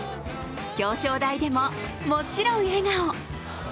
表彰台でももちろん笑顔。